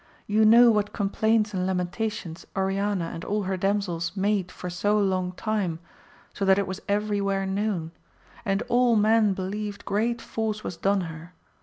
You know what complaints and lamentations Oriana and all her damsels made for so long time, so that it was every where known, and all men believed great force was done her.